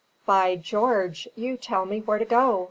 "By George, you tell me where to go!"